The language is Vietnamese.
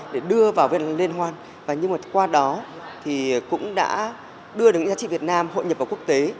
để đưa vào liên hoan và qua đó cũng đã đưa được những giá trị việt nam hội nhập vào quốc tế